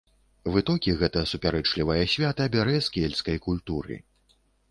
Вытокі гэта супярэчлівае свята бярэ з кельцкай культуры.